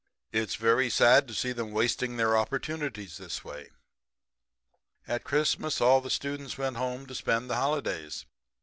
It's very sad to see 'em wasting their opportunities this way.' "At Christmas all the students went home to spend the holidays.